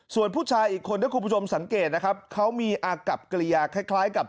ส่วนผู้ชายอีกคนถ้าคุณผู้ชมสังเกตนะครับเขามีอากับกริยาคล้ายกับ